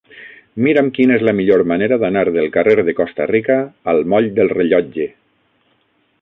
Mira'm quina és la millor manera d'anar del carrer de Costa Rica al moll del Rellotge.